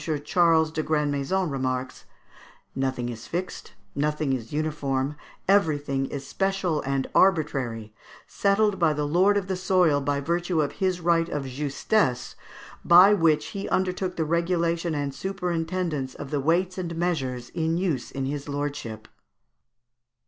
Charles de Grandmaison remarks, "Nothing is fixed, nothing is uniform, everything is special and arbitrary, settled by the lord of the soil by virtue of his right of justesse, by which he undertook the regulation and superintendence of the weights and measures in use in his lordship."